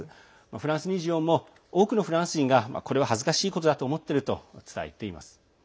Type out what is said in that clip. フランス２４も多くのフランス人がこれは恥ずかしいことだと思っていると伝えています。